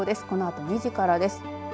このあと２時からです。